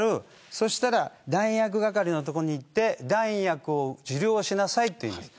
そうしたら弾薬係の所に行って弾薬を受領しなさいと言います。